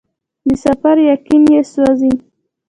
د سفر یقین یې سوزي